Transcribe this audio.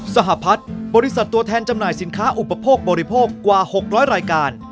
หพัฒน์บริษัทตัวแทนจำหน่ายสินค้าอุปโภคบริโภคกว่า๖๐๐รายการ